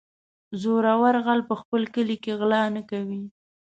زورور غل په خپل کلي کې غلا نه کوي.